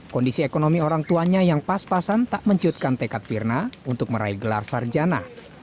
kondisi ekonomi orang tuanya yang pas pasan tak menciutkan tekad firna untuk meraih gelar sarjana